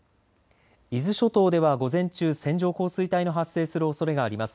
伊豆諸島では、午前中線状降水帯の発生するおそれがあります。